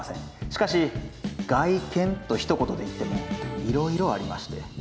しかし外見とひと言で言ってもいろいろありまして。